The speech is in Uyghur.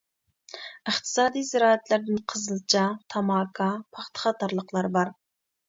ئىقتىسادىي زىرائەتلەردىن قىزىلچا، تاماكا، پاختا قاتارلىقلار بار.